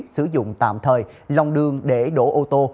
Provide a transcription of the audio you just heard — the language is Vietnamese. sử dụng tạm thời lòng đường để đổ ô tô